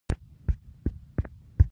هره نوې مفکوره یو نوی فرصت دی.